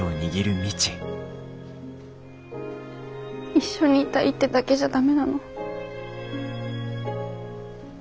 一緒にいたいってだけじゃ駄目なの？